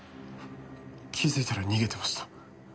気づいたら逃げてました。